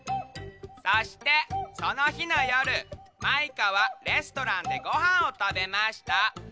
そしてそのひのよるマイカはレストランでごはんをたべました。